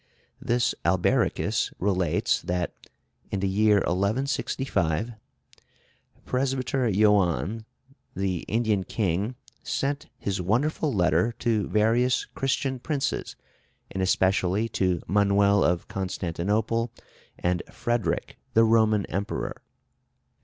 This Albericus relates that in the year 1165 "Presbyter Joannes, the Indian king, sent his wonderful letter to various Christian princes, and especially to Manuel of Constantinople, and Frederic the Roman Emperor."